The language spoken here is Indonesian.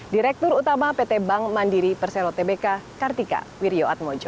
direktur utama pt bank mandiri persero tbk kartika wirjoatmojo